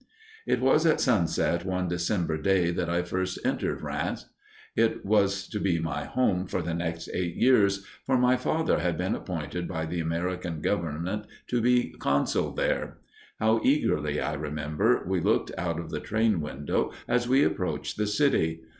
It was at sunset one December day that I first entered Rheims. It was to be my home for the next eight years, for my father had been appointed by the American Government to be consul there. How eagerly, I remember, we looked out of the train window as we approached the city.